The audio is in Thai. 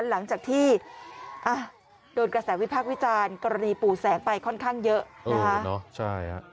หลังจากที่โดนกระแสวิพักษ์วิจารณ์กรณีปู่แสงไปค่อนข้างเยอะนะคะ